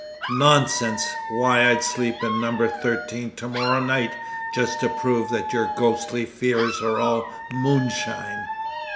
"Nonsense! Why, I'd sleep in No. 13 to morrow night, just to prove that your ghostly fears are all moonshine."